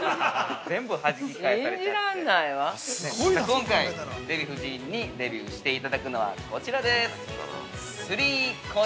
◆今回、デヴィ夫人にデビューしていただくのは、こちらです。